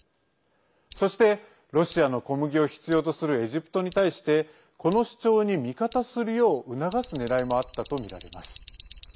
そしてロシアの小麦を必要とするエジプトに対してこの主張に味方するよう促すねらいもあったとみられます。